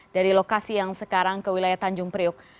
dari lokasi yang sekarang ke wilayah tanjung priok